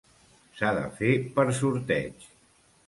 S'ha de fer per sorteig.